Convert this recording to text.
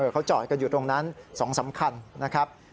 เขาจอดกันอยู่ตรงนั้น๒สำคัญนะครับ